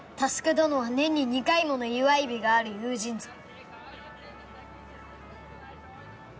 どのは年に２回もの祝い日がある友人ぞよ。